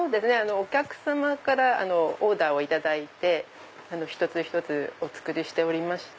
お客様からオーダーをいただいて一つ一つお作りしておりまして。